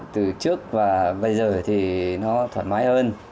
từ trước bây giờ thì thoải mái hơn